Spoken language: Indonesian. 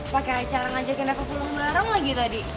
pakai cara ngajakin aku pulang bareng lagi tadi